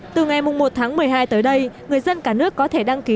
từ ngày một tháng một mươi hai tới đây người dân cả nước có thể đăng ký